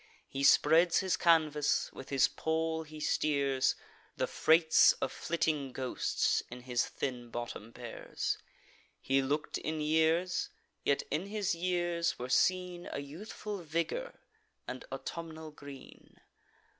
He spreads his canvas; with his pole he steers; The freights of flitting ghosts in his thin bottom bears. He look'd in years; yet in his years were seen A youthful vigour and autumnal green.